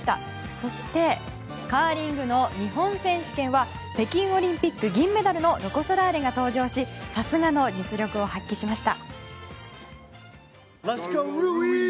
そしてカーリングの日本選手権は北京オリンピック銀メダルのロコ・ソラーレが登場しさすがの実力を発揮しました。